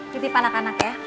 ketip anak anak ya